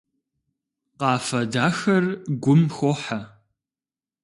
Къафэ дахэр гум хохьэ.